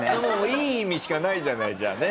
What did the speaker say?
いい意味しかないじゃないじゃあね。